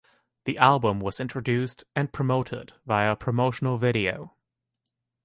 The album was introduced and promoted via a promotional video.